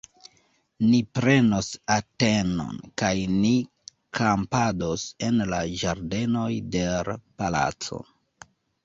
Ni prenos Atenon, kaj ni kampados en la ĝardenoj de l' Palaco!